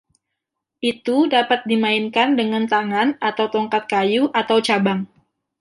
Itu dapat dimainkan dengan tangan atau tongkat kayu atau cabang.